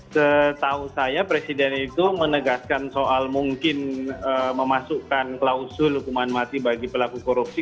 setahu saya presiden itu menegaskan soal mungkin memasukkan klausul hukuman mati bagi pelaku korupsi